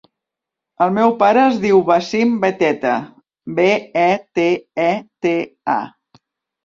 El meu pare es diu Wassim Beteta: be, e, te, e, te, a.